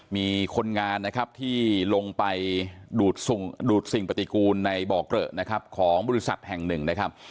มีคนงานที่ลงไปดูดสิ่งปฏิกูลในบ่อกล่ะของบริษัทแห่ง๑